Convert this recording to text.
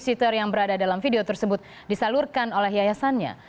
situter yang berada dalam video tersebut disalurkan oleh yayasannya